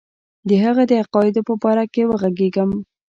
د هغه د عقایدو په باره کې وږغېږم.